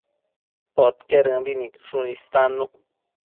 Podquedëmbi nidshun istannu